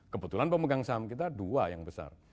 kebetulan pemegang saham kita dua yang besar